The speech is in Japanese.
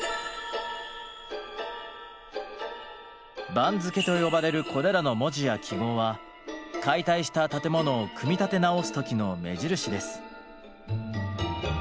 「番付」と呼ばれるこれらの文字や記号は解体した建物を組み立て直す時の目印です。